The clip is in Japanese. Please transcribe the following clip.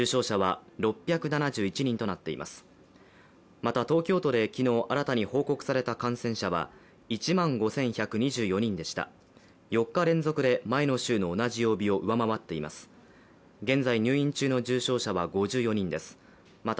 また東京都で昨日、新たに報告された感染者は１万５１２４人でした。